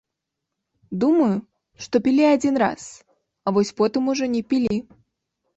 Думаю, што пілі адзін раз, а вось потым ужо не пілі.